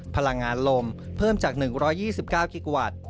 พลังงานลมเพิ่มจาก๑๒๙กิกาวัตต์